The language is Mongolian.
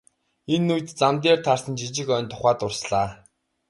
Энэ үед тэр замд таарсан жижиг ойн тухай дурслаа.